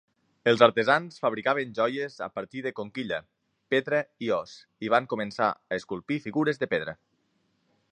Els artesans fabricaven joies a partir de conquilla, pedra i os, i van començar a esculpir figures de pedra.